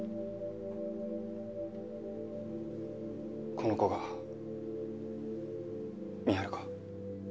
この子が美晴か？